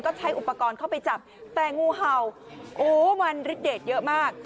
ก็ใช้อุปกรณ์เข้าไปจับแต่งูเห่าโอ้มันฤทเดทเยอะมาก